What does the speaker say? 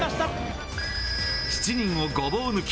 ７人をごぼう抜き。